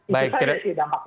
dan ya itu saja sih dampaknya